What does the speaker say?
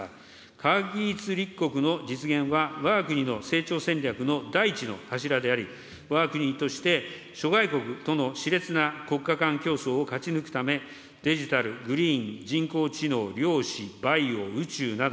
科学技術立国の実現はわが国の成長戦略の第一の柱であり、わが国として諸外国とのしれつな国家間競争を勝ち抜くため、デジタル、グリーン、人工知能、量子、バイオ、宇宙など、